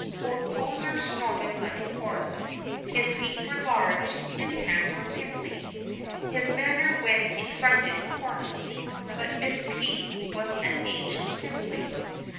Old Poser snorted like a horse: His feet were large, his hands were pimply, His manner, when excited, coarse: But Miss P. was an angel simply.